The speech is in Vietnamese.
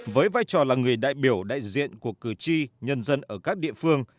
với vai trò là người đại biểu đại diện của cử tri nhân dân ở các địa phương